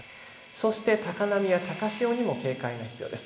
そして高波や高潮にも警戒が必要です。